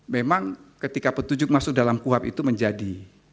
memang ketika petunjuk masuk dalam kuhap itu menjadi